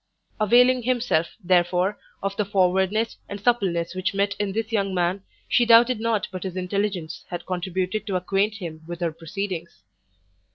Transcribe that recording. Availing himself, therefore, of the forwardness and suppleness which met in this young man, she doubted not but his intelligence had contributed to acquaint him with her proceedings.